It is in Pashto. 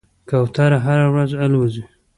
کوتره هره ورځ الوځي.